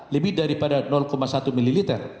lebih daripada satu ml